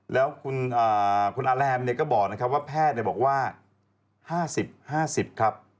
แล้วคุณอาแรมก็บอกนะครับว่าแพทย์บอกว่า๕๐๕๐ครับ